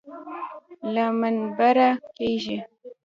له منبره کېږي.